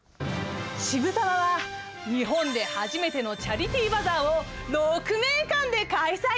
渋沢は日本で初めてのチャリティーバザーを鹿鳴館で開催。